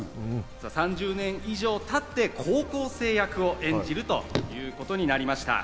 ３０年以上経って高校生役を演じるということになりました。